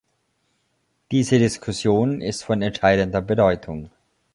Diese Diskussion ist von entscheidender Bedeutung.